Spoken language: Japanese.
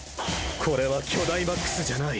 これはキョダイマックスじゃない。